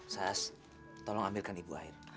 sas tolong ambilkan ibu air